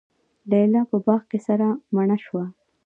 لیلی په باغ کي سره مڼه شوه